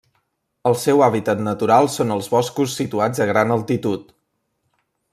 El seu hàbitat natural són els boscos situats a gran altitud.